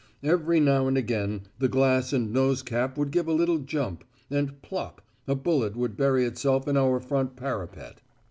Every now and again the glass and nose cap would give a little jump, and "plop" a bullet would bury itself in our front parapet.